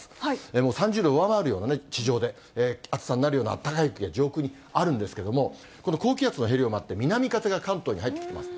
もう３０度を上回るような地上で、暑さになるような、あったかい空気が上空にあるんですけれども、この高気圧のへりを回って南風が関東に入ってきています。